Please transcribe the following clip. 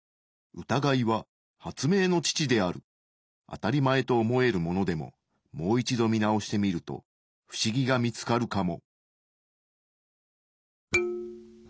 あたりまえと思えるものでももう一度見直してみるとフシギが見つかるかも。